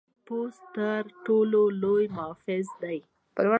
پوست تر ټر ټولو لوی محافظ دی.